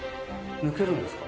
抜けるんですか？